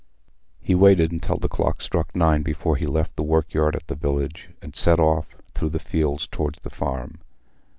He waited until the clock struck nine before he left the work yard at the village, and set off, through the fields, towards the Farm.